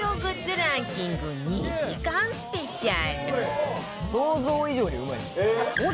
ランキング２時間スペシャル